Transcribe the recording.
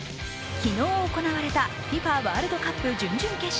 昨日行われたＦＩＦＡワールドカップ準々決勝。